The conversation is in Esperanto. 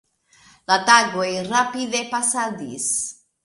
La tagoj rapide pasadis.